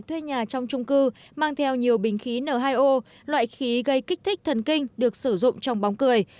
thuê nhà trong trung cư mang theo nhiều bình khí n hai o loại khí gây kích thích thần kinh được sử dụng trong bóng cười